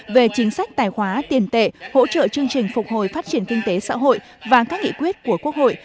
về chính sách tài khoá tiền tệ hỗ trợ chương trình phục hồi phát triển kinh tế xã hội và các nghị quyết của quốc hội